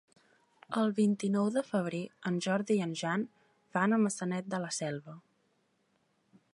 El vint-i-nou de febrer en Jordi i en Jan van a Maçanet de la Selva.